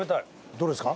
どれですか？